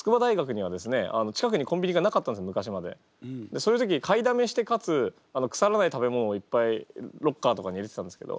そういう時買いだめしてかつ腐らない食べ物をいっぱいロッカーとかに入れてたんですけど。